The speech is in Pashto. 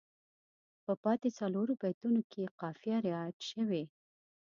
په پاتې څلورو بیتونو کې یې قافیه رعایت شوې.